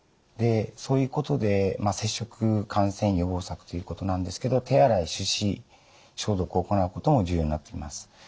そういうことで接触感染予防策ということなんですけど手洗い手指消毒を行うことも重要になっています。